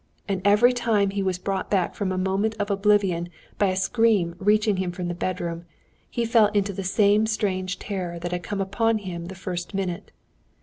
And every time he was brought back from a moment of oblivion by a scream reaching him from the bedroom, he fell into the same strange terror that had come upon him the first minute.